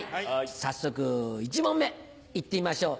早速１問目いってみましょう。